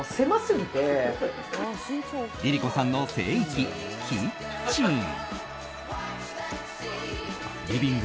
ＬｉＬｉＣｏさんの聖域キッチン。